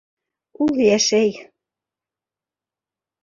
Ул йәшәй.